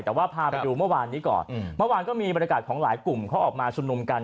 แต่ว่าพาไปดูเมื่อวานนี้ก่อนเมื่อวานก็มีบรรยากาศของหลายกลุ่มเขาออกมาชุมนุมกัน